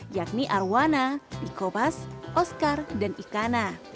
yakni arowana ikopas oscar dan ikana